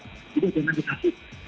tidak ada negatif